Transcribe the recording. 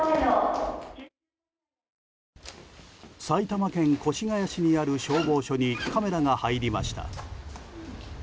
埼玉県越谷市にある消防署に、カメラが入りました。